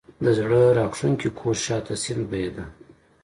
د زړه راکښونکي کور شا ته سیند بهېده.